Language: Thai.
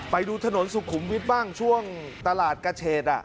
ไปดูถนนสุขุมวิทย์บ้างช่วงตลาดกระเชษ